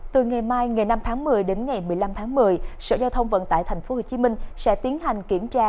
từ ngày mai ngày năm tháng một mươi đến ngày một mươi năm tháng một mươi sở giao thông vận tải tp hcm sẽ tiến hành kiểm tra